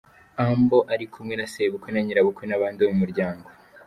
Humble ari kumwe na Sebukwe na Nyirabukwe n’abandi bo mu muryango.